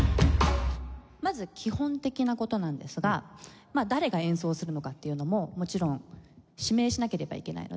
まず基本的な事なんですがまあ誰が演奏するのかっていうのももちろん指名しなければいけないので。